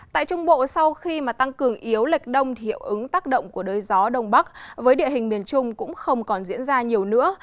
tại trung bộ sau khi mà tăng cường yếu lệch đông thì hiệu ứng tác động của đới gió đông bắc với địa hình miền trung cũng không còn diễn ra nhiều nữa